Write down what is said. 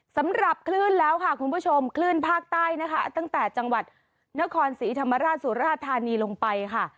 สำหรับคลื่นแล้วค่ะคุณผู้ชมคลื่นภาคใต้นะคะตั้งแต่จังหวัดนครศรีธรรมราชสุราธานีลงไปค่ะ